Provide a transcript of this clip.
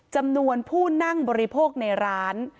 จำนวนผู้นั่งบริโภคในร้าน